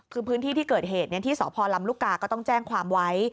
คือพื้นที่ที่เกิดเหตุที่สพลำลูกกาก็ต้องแจ้งความไว้